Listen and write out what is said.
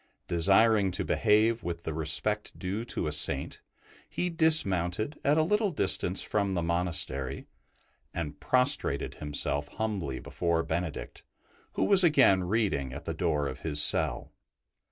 Desiring to behave with the respect due to a Saint, he dismounted at a little distance from the monastery, and prostrated himself humbly before Benedict, who was again reading at the door of his cell.